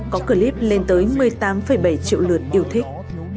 có clip lên tới một mươi tám bảy triệu lượt yêu thích